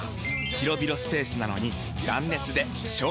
広々スペースなのに断熱で省エネ！